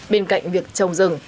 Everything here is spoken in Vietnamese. bên cạnh việc trồng rừng